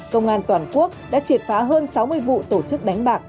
công an toàn quốc đã triệt phá hơn sáu mươi vụ tổ chức đánh bạc